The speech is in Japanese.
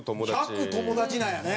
１００「友達」なんやね。